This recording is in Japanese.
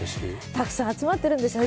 たくさん集まってるんですね。